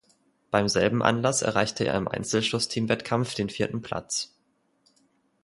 Beim selben Anlass erreichte er im Einzelschuß-Teamwettkampf den vierten Platz.